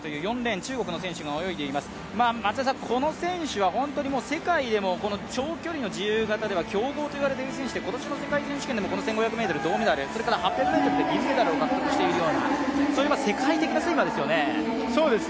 李氷潔は世界でも長距離の自由形では強豪と言われている選手で今年の世界選手権でも、この１５００ｍ銅メダル、それから８００ｍで銀メダルを獲得しているような世界的なスイマーですよね。